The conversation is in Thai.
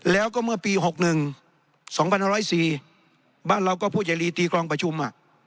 แล้วก็เมื่อปี๖๑๒๕๐๔บ้านเราก็ผู้ใหญ่ลีตีกรองประชุม